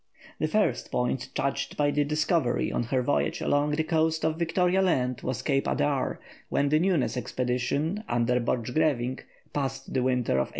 ] The first point touched by the Discovery on her voyage along the coast of Victoria Land was Cape Adare, where the Newnes expedition, under Borchegrevinck, passed the winter of 1899.